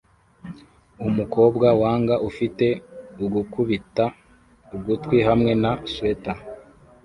Umukobwa wanga ufite ugukubita ugutwi hamwe na swater